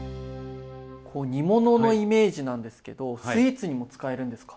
煮物のイメージなんですけどスイーツにも使えるんですか？